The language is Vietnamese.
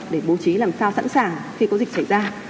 để bố trí làm sao sẵn sàng khi có dịch xảy ra